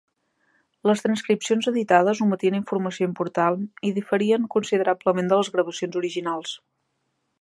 Les transcripcions editades ometien informació important i diferien considerablement de les gravacions originals.